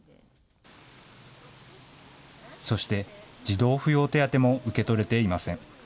そして、児童扶養手当も受け取れていません。